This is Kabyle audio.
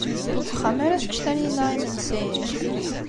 Deg uxxam ara tečč Taninna imensi?